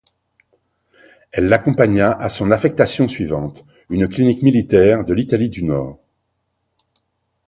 Elle l'accompagna à son affectation suivante, une clinique militaire de l'Italie du Nord.